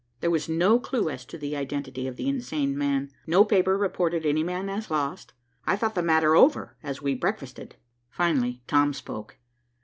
There was no clue as to the identity of the insane man. No paper reported any man as lost. I thought the matter over as we breakfasted. Finally Tom spoke.